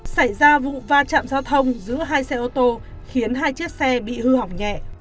xảy ra vụ pha chạm giao thông giữa hai xe ô tô khiến hai chiếc xe bị hư hỏng nhẹ